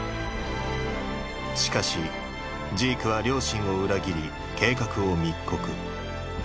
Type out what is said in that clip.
しかしジークは両親を裏切り計画を密告。